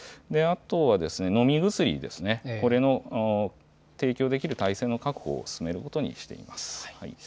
あとは飲み薬ですね、これの提供できる体制の確保を進めることにしています。